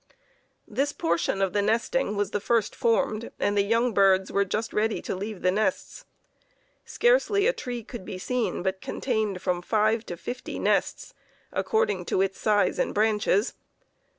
This portion of the nesting was the first formed, and the young birds were just ready to leave the nests. Scarcely a tree could be seen but contained from five to fifty nests, according to its size and branches.